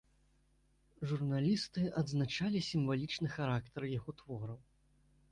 Журналісты адзначалі сімвалічны характар яго твораў.